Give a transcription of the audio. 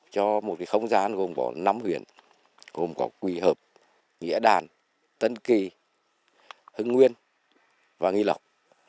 cho một không gian gồm có năm huyện gồm có quỳ hợp nghĩa đàn tân kỳ hưng nguyên và nghi lộc